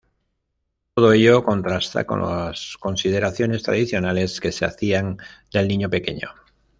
Todo ello contrasta con las consideraciones tradicionales que se hacían del niño pequeño.